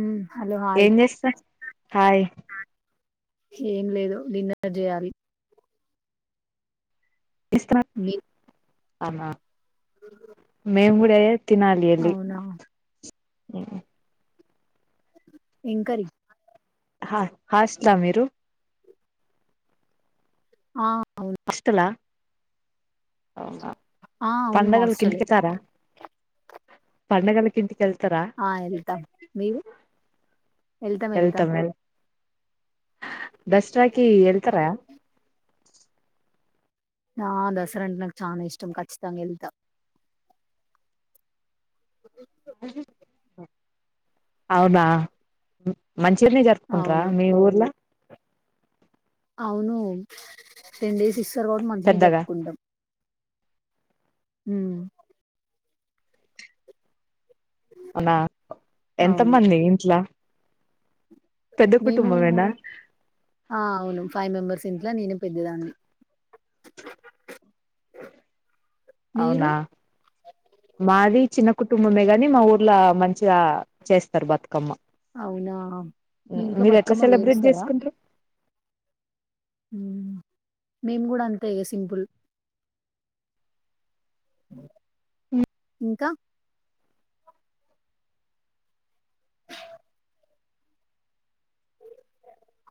ఊ hello hi ఏం చేస్తా హాయ్ ఏం లేదు డిన్నర్ జేయాలి మీ అనా మేం కూడే తినాలి ఎల్లి అవునా [unintelligible] ఏం కరి హా హాస్లా మీరు ఆ అవును హాస్టల్ ఆ అవునా ఆ అవును పండగలకు హాస్టలే ఇంటికెతారా పండగలకు ఇంటికెళ్ ఆ ఏళ్తాం మీరు ఎళ్తాం ఎళ్తాం వెళ్తాం దస్రాకి ఎళ్తరా ఆ దసరా అంటే నాకు చానా ఇష్టం ఖచ్చితంగా ఎళ్తా [inaudible] అవునా మంచినిగనే జరుపుకుంటారా అవును మీ ఊర్ల అవును టెన్ డేస్ ఇస్తారు కాబట్టి మంచిగానే పెద్దగా జరుపుకుంటాం ఊ అవునా ఎంత అవును మంది ఇంట్ల పెద్ద మేము కుటుంబమేనా ఆ అవును ఫైవ్ మెంబర్స్ ఇంట్లో నేనే పెద్దదాన్ని మీరు అవునా మాది చిన్న కుటుంబమే గాని మా ఊర్లో మంచిగా చేస్తారు బతుకమ్మ అవునా మీ ఇంట్లో మీరు ఎట్లా బతుకమ్మ సెలబ్రేట్ పేరుస్తారా జేసుకుంట్రు మేము గూడా అంతే ఇగ సింపుల్ ఇంకా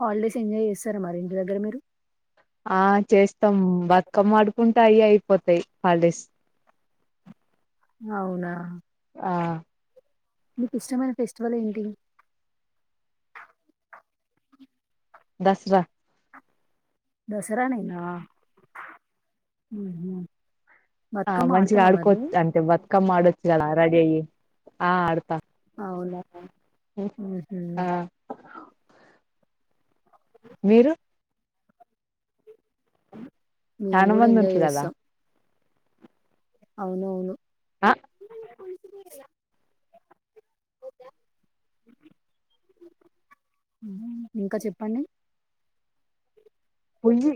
హాల్డేస్ ఎంజాయ్ జెసారా మరి ఇంటి దగ్గర మీరు ఆ చేస్తాం బ కమ్మ ఆడుకుంటా అయ్యే అయిపోతాయి హాల్డేస్ అవునా ఆ మీకు ఇష్టమైన ఫెస్టివల్ ఏంటి దస్సరా దసరానేనా హ్మ్ హు ఆ మంచిగా ఆడుకోవచ్ అంటే బతుకమ్మ ఆడొచ్చుగలా రెడీ అయ్యి ఆ ఆడతా అవునా హ్మ్ హు ఆ మీరు మేము చానా కూడా మంది ఎంజాయ్ ఉంటరు కదా చేస్తాం అవునవును అహ్ ఇంకా చెప్పండి కుల్వీ